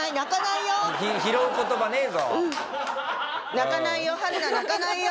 泣かないよ。